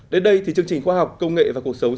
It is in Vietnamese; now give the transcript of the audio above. đến đây thì chương trình khoa học công nghệ và cuộc sống